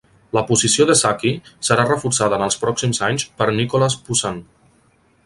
La posició de Sacchi serà reforçada en els pròxims anys per Nicolas Poussin.